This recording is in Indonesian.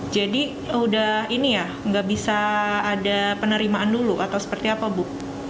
jadi udah ini ya nggak bisa ada penerimaan dulu atau seperti apa bu